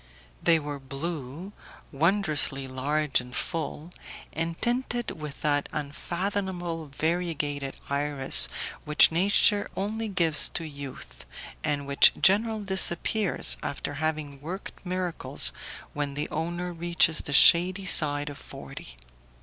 They were blue, wondrously large and full, and tinted with that unfathomable variegated iris which nature only gives to youth, and which generally disappears, after having worked miracles, when the owner reaches the shady side of forty.